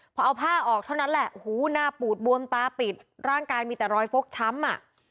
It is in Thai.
พอเอาผ้าออกเท่านั้นแหละโอ้โหหน้าปูดบวมตาปิดร่างกายมีแต่รอยฟกช้ำอ่ะ